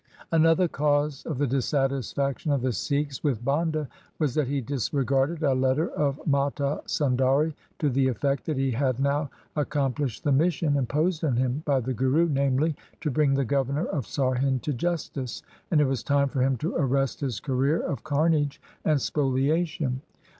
Another cause of the dissatisfaction of the Sikhs with Banda was that he disregarded a letter of Mata Sundari to the effect that he had now accom plished the mission imposed on him by the Guru, namely, to bring the Governor of Sarhind to justice, and it was time for him to arrest his career of carnage and spoliation.